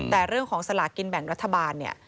แต่เรื่องของสลากินแบ่งรัฐบาลเนี่ย